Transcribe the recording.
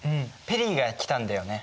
ペリーが来たんだよね。